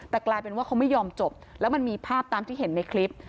แต่กลายเป็นว่าเขาไม่ยอมจบแล้วมันมีภาพตามที่เห็นในคลิป